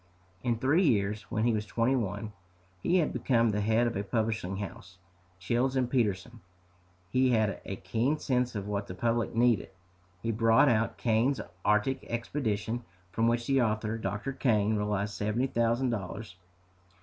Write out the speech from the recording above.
In three years, when he was twenty one, he had become the head of a publishing house, Childs & Peterson. He had a keen sense of what the public needed. He brought out Kane's "Arctic Expedition," from which the author, Dr. Kane, realized seventy thousand dollars.